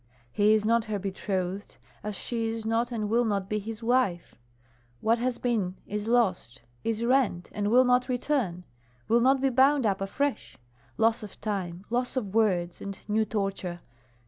He is not her betrothed, as she is not and will not be his wife. What has been is lost, is rent, and will not return, will not be bound up afresh. Loss of time, loss of words, and new torture.